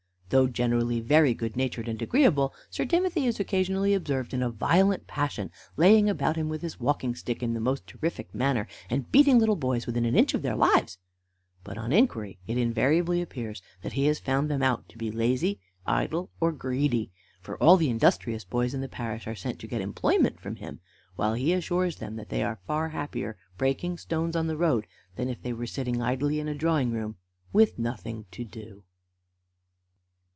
Though generally very good natured and agreeable, Sir Timothy is occasionally observed in a violent passion, laying about him with his walking stick in the most terrific manner, and beating little boys within an inch of their lives; but on inquiry it invariably appears that he has found them out to be lazy, idle, or greedy; for all the industrious boys in the parish are sent to get employment from him, while he assures them that they are far happier breaking stones on the road than if they were sitting idly in a drawing room with nothing to do.